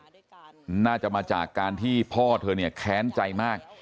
เชื่อวัชหนวนเหตุน่าจะมาจากการที่พ่อเธอเนี่ยแค้นใจมาก